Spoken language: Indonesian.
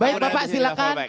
baik bapak silakan